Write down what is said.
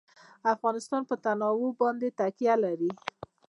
افغانستان په تنوع باندې تکیه لري.